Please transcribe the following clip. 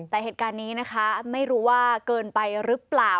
แต่เหตุการณ์นี้นะคะไม่รู้ว่าเกินไปหรือเปล่า